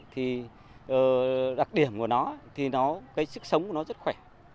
thì đặc điểm của nó thì nó cái sức sống của nó rất khỏe